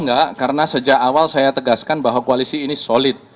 enggak karena sejak awal saya tegaskan bahwa koalisi ini solid